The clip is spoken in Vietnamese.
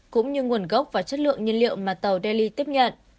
cũng như nguồn gốc và chất lượng nhiên liệu mà tàu delhi tiếp nhận